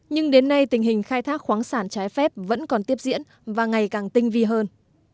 nhưng đến nay tình hình khai thác khoáng sản trái phép vẫn còn tiếp diễn và ngày càng tinh vi hơn